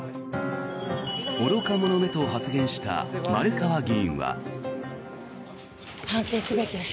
愚か者めと発言した丸川議員は。